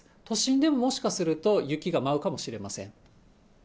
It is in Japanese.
都心でももしかすると、雪が舞うかもしれません。